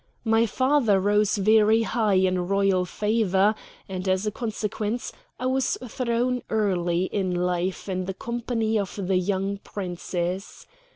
My father rose very high in Royal favor, and, as a consequence, I was thrown early in life in the company of the young Princes.